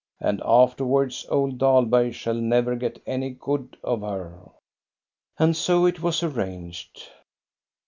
And afterwards old Dahlberg shall never get any good of her." And so it was arranged.